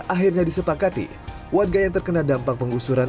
akhirnya disepakati warga yang terkena dampak penggusuran